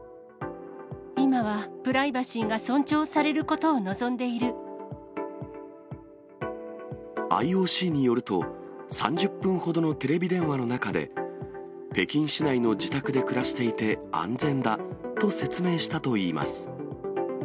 今はプライバシーが尊重されＩＯＣによると、３０分ほどのテレビ電話の中で、北京市内の自宅で暮らしていて安全だと説明したといいます。